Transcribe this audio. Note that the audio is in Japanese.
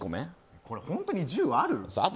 これ、本当に１０ある？